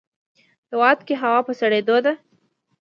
هیواد کې هوا په سړیدو ده